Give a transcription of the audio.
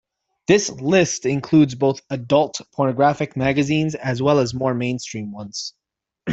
This list includes both 'adult' pornographic magazines as well as more mainstream ones.